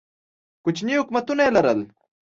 کوچني حکومتونه یې لرل